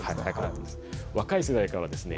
若い世代からはですね